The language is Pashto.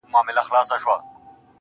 o زه به يې ياد يم که نه.